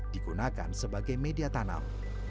digunakan sebagai media tanam